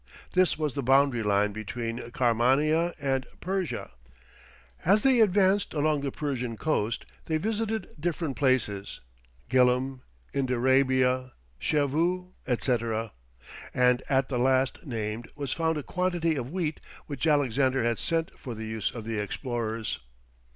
This was the boundary line between Karmania and Persia. As they advanced along the Persian coast, they visited different places, Gillam, Indarabia, Shevou, &c., and at the last named was found a quantity of wheat which Alexander had sent for the use of the explorers.